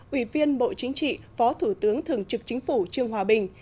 ủy viên bộ chính trị phó thủ tướng thường trực chính phủ trương hòa bình